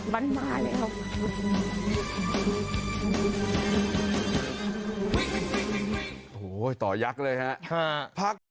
มันมาเลยครับ